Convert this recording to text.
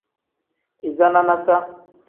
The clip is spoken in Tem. Iza nanasa.